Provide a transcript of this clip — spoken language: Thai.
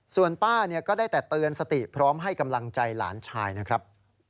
ส่วนป้าก็ได้แต่เตือนสติพร้อมให้กำลังใจหลานชายนะครับ